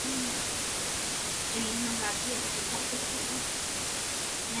Existe la creencia de la existencia de restos arquitectónicos bajo el mar.